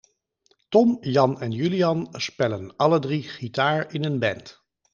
Tom, Jan en Julian spellen alledrie gitaar in een band.